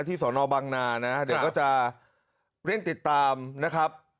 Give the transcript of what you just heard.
สอนอบังนานะเดี๋ยวก็จะเร่งติดตามนะครับ